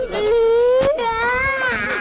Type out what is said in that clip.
bisa diam mbak